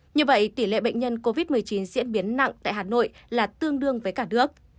như vậy tỷ lệ bệnh nhân covid một mươi chín diễn biến nặng tại hà nội là tương đương với cả nước